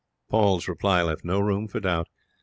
Paul's reply left no room for doubt.